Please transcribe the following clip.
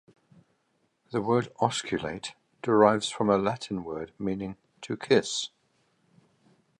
The word "osculate" derives from a Latin word meaning "to kiss".